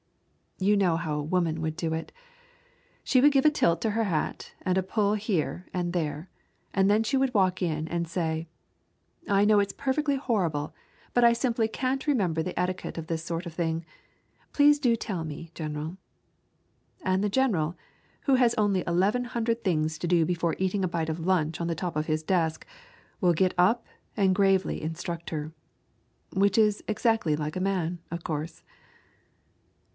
You know how a woman would do it. She would give a tilt to her hat and a pull here and there, and then she would walk in and say: "I know it's perfectly horrible, but I simply can't remember the etiquette of this sort of thing. Please do tell me, General." And the general, who has only eleven hundred things to do before eating a bite of lunch on the top of his desk, will get up and gravely instruct her. Which is exactly like a man, of course.